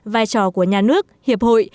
vai trò của nhà nước hiệp hội